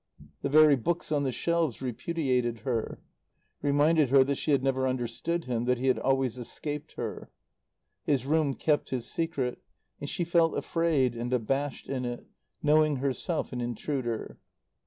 The very books on the shelves repudiated her; reminded her that she had never understood him, that he had always escaped her. His room kept his secret, and she felt afraid and abashed in it, knowing herself an intruder.